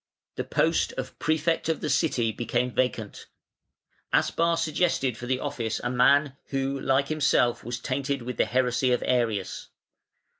The post of Prefect of the City became vacant; Aspar suggested for the office a man who, like himself, was tainted with the heresy of Arius.